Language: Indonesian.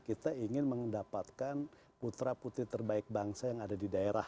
kita ingin mendapatkan putra putri terbaik bangsa yang ada di daerah